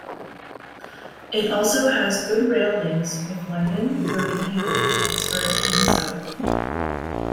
It also has good rail links with London, Birmingham, Oxford and the South.